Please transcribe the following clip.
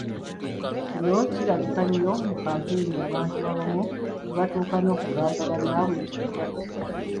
Kino kirabika nnyo mu kkampeyini abantu abamu ne batuuka n’okugamba bannaabwe nti balwadde.